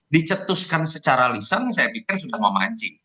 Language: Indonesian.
dicetuskan secara lisan saya pikir sudah memancing